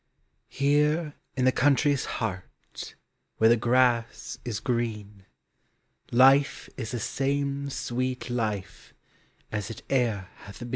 Here in the country's heart Where the grass is green, Life is the same sweet life As it e'er hath been.